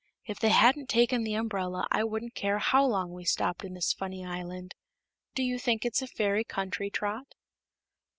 "If they hadn't taken the umbrella I wouldn't care how long we stopped in this funny island. Do you think it's a fairy country, Trot?"